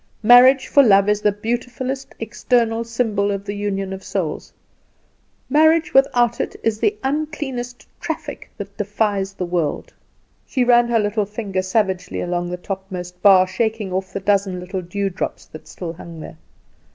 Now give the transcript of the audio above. Marriage for love is the beautifulest external symbol of the union of souls; marriage without it is the uncleanliest traffic that defiles the world." She ran her little finger savagely along the topmost bar, shaking off the dozen little dewdrops that still hung there.